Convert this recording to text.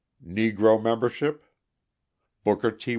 Negro membership: Booker T.